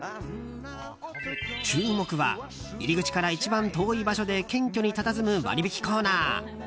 注目は入り口から一番遠い場所で謙虚にたたずむ割引きコーナー